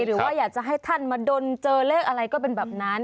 หรือว่าอยากจะให้ท่านมาดนเจอเลขอะไรก็เป็นแบบนั้น